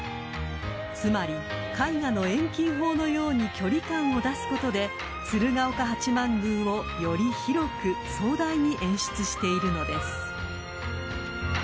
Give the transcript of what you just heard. ［つまり絵画の遠近法のように距離感を出すことで鶴岡八幡宮をより広く壮大に演出しているのです］